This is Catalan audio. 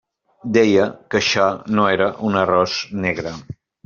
Deia que això no era un arròs negre.